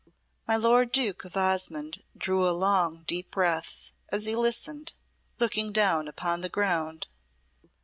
My Lord Duke of Osmonde drew a long, deep breath as he listened, looking down upon the ground.